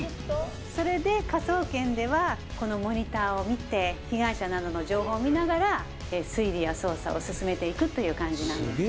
「それで『科捜研』ではこのモニターを見て被害者などの情報を見ながら推理や捜査を進めていくという感じなんです」